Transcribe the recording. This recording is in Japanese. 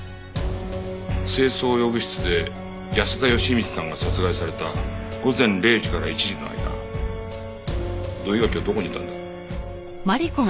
清掃用具室で保田恵道さんが殺害された午前０時から１時の間土居垣はどこにいたんだ？